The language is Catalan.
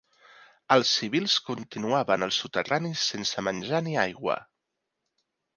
Els civils continuaven als soterranis sense menjar ni aigua.